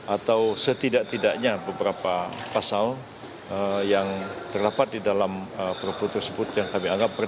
atau setidak tidaknya beberapa pasal yang terdapat di dalam perpu tersebut yang kami anggap